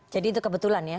jadi itu kebetulan ya